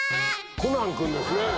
コナン君ですね。